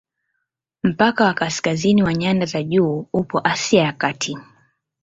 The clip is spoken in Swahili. Mpaka wa kaskazini wa nyanda za juu upo Asia ya Kati.